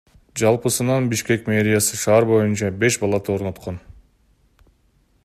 Жалпысынан Бишкек мэриясы шаар боюнча беш балаты орноткон.